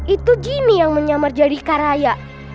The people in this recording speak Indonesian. itu jini yang menyamar jadi kak raya